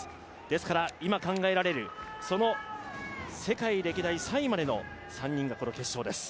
ですから今考えられる世界歴代３位までの３人がこの決勝です。